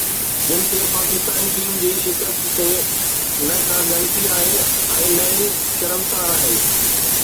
جن کي پاڪستاني ٽيم جي شڪست تي نه ڪا ڳڻتي آهي ۽ نه ئي شرمسار آهي